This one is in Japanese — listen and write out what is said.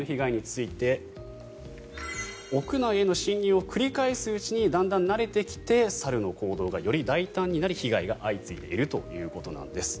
こうした屋内の被害について屋内への侵入を繰り返すうちにだんだん慣れてきて猿の行動がより大胆になり被害が相次いでいるということです。